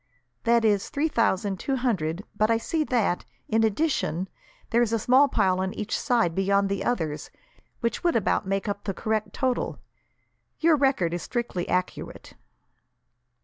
"That is three thousand two hundred, but I see that, in addition, there is a small pile on each side, beyond the others, which would about make up the correct total. Your record is strictly accurate."